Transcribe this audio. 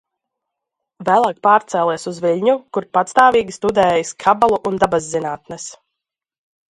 Vēlāk pārcēlies uz Viļņu, kur patstāvīgi studējis Kabalu un dabaszinātnes.